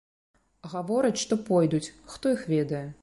Гавораць, што пойдуць, хто іх ведае.